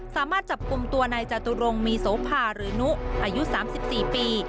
สามารถจับกลุ่มตัวนายจตุรงมีโสภาหรือนุอายุ๓๔ปี